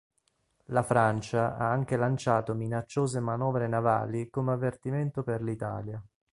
La Francia ha anche lanciato minacciose manovre navali come avvertimento per l'Italia.